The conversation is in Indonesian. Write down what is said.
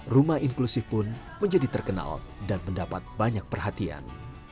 rumah inklusif pun menjadi terkenal dan mendapat banyak perhatian